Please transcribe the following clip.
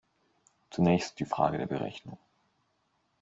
Zunächst die Frage der Berechnung.